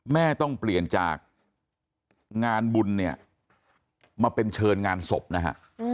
แม่ต้องเปลี่ยนจากงานบุญเนี่ยมาเป็นเชิญงานศพนะฮะ